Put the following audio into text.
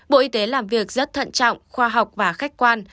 bộ y tế làm việc rất thận trọng khoa học và khách quan